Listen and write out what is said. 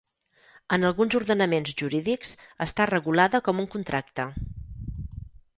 En alguns ordenaments jurídics està regulada com un contracte.